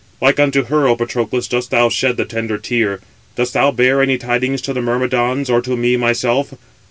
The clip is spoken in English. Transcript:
—like unto her, O Patroclus, dost thou shed the tender tear. Dost thou bear any tidings to the Myrmidons, or to me myself?